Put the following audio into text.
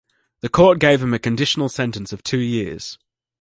The court gave him a conditional sentence of two years.